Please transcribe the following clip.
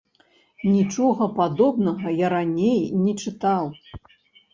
Нічога падобнага я раней не чытаў.